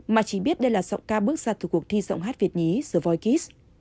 mà chỉ biết đây là sọng ca bước xa từ cuộc thi sọng hát việt nhí the void kiss